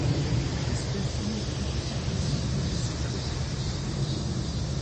Cette espèce se nourrit de petits poissons et de céphalopodes.